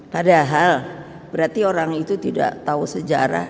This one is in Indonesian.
padahal berarti orang itu tidak tahu sejarah